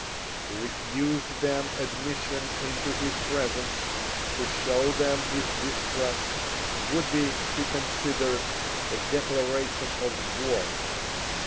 To refuse them admission into his presence, to show them his distrust, would be, he considered, a declaration of war.